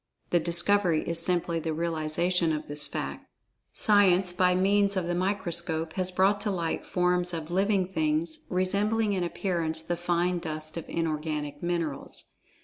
The "discovery" is simply the realization of this fact.[Pg 45] Science, by means of the microscope, has brought to light forms of "living things," resembling in appearance the fine dust of inorganic minerals.